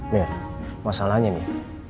mer masalahnya nih